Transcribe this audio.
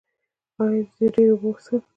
ایا زه ډیرې اوبه وڅښم؟